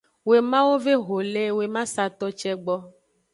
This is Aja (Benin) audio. Wemawo ve exo le wemasato ce gbo.